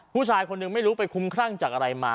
ผู้ชายคนหนึ่งไม่รู้ไปคุ้มครั่งจากอะไรมา